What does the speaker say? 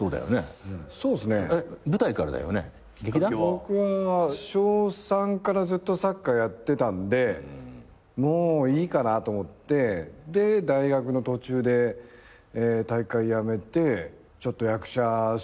僕は小３からずっとサッカーやってたんでもういいかなと思って大学の途中で体育会やめてちょっと役者志望になって。